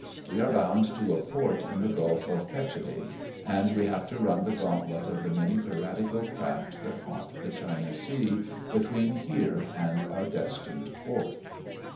"We are bound to a port in the Gulf of Petchelee, and we have to run the gauntlet of the many piratical craft that haunt the China Sea between here and our destined port.